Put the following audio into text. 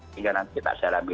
sehingga nanti kita jarang lagi